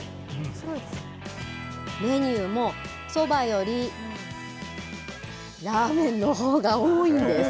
メニューも、そばよりラーメンのほうが多いんです。